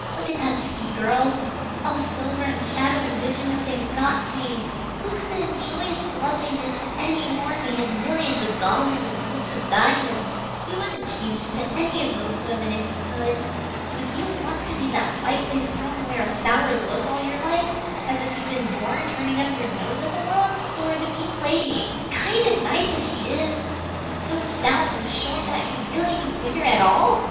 Look at that sea, girls all silver and shadow and vision of things not seen. We couldn't enjoy its loveliness any more if we had millions of dollars and ropes of diamonds. You wouldn't change into any of those women if you could. Would you want to be that white lace girl and wear a sour look all your life, as if you'd been born turning up your nose at the world? Or the pink lady, kind and nice as she is, so stout and short that you'd really no figure at all?